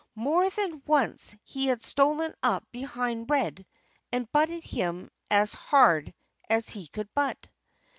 More than once he had stolen up behind Red and butted him as hard as he could butt.